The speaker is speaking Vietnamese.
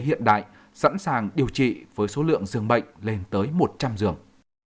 bệnh viện đại sẵn sàng điều trị với số lượng dường bệnh lên tới một trăm linh dường